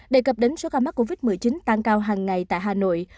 đề cập đến số ca mắc covid một mươi chín tăng cao hàng ngày tại hà nội